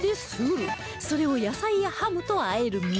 それを野菜やハムと和える味